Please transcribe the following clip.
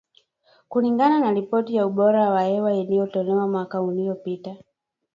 Kulingana na ripoti ya ubora wa hewa iliyotolewa mwaka uliopita.